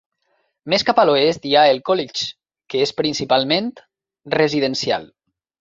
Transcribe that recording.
Més cap a l'oest hi ha el College, que és principalment residencial.